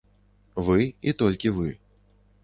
Вы і толькі вы.